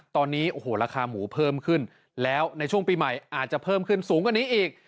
ตอนนี้โอ้โหราคาหมูเพิ่มขึ้นแล้วในช่วงปีใหม่อาจจะเพิ่มขึ้นสูงกว่านี้อีก